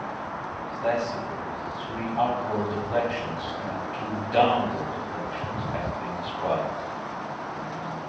Classically three upward deflections and two downward deflections have been described.